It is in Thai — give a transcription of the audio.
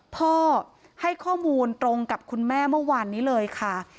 ให้ข้อมูลตรงกับคุณแม่เมื่อวานนี้เลยค่ะ